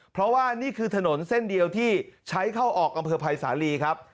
เพราะว่านี่คือถนนเส้นเดียวที่ใช้เข้าออกอำเภอภัยสาลีครับ